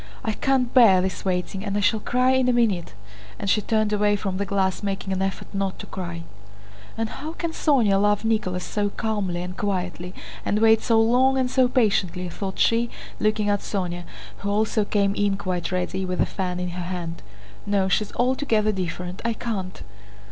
I can't bear this waiting and I shall cry in a minute!" and she turned away from the glass, making an effort not to cry. "And how can Sónya love Nicholas so calmly and quietly and wait so long and so patiently?" thought she, looking at Sónya, who also came in quite ready, with a fan in her hand. "No, she's altogether different. I can't!"